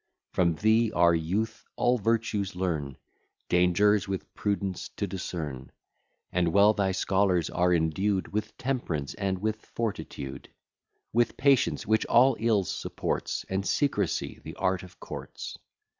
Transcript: From thee our youth all virtues learn, Dangers with prudence to discern; And well thy scholars are endued With temperance and with fortitude, With patience, which all ills supports, And secrecy, the art of courts.